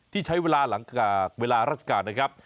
ที่ใช้เวลาหลังจากเวลาราชการนะครับ